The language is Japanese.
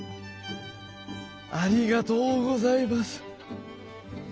「ありがとうございます。